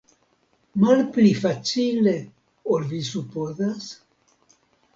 Malpli facile ol vi supozas?